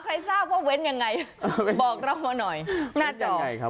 ใครทราบว่าเว้นยังไงบอกเรามาหน่อยหน้าจอ